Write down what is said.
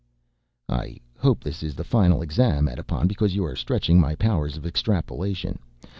"I hope this is the final exam, Edipon, because you are stretching my powers of extrapolation.